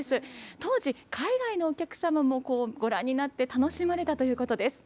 当時、海外のお客様もご覧になって、楽しまれたということです。